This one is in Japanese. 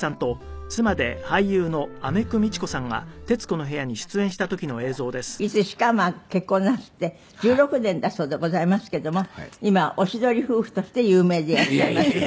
師弟関係からいつしか結婚なすって１６年だそうでございますけども今はおしどり夫婦として有名でいらっしゃいます。